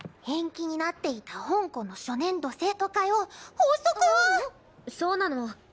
延期になっていた本校の初年度生徒会を発足⁉そうなの。